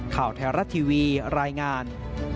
ข่าวแถวรัตน์ทีวีรายงาน